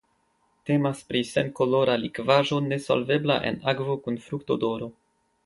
Temas pri senkolora likvaĵo nesolvebla en akvo kun fruktodoro.